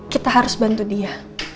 kita harus bantu dia